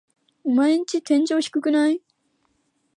オマエんち天井低くない？